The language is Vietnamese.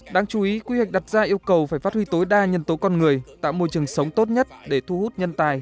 đáng chú ý quy hoạch đặt ra yêu cầu phải phát huy tối đa nhân tố con người tạo môi trường sống tốt nhất để thu hút nhân tài